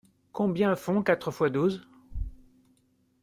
Combien font quatre fois douze?